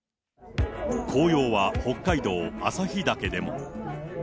紅葉は北海道旭岳でも。